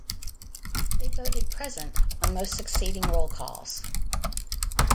They voted "present" on most succeeding roll calls.